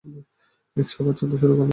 রিকশা আবার চলতে শুরু করল।